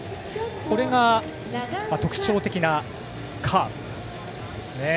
これが特徴的なカーブですね。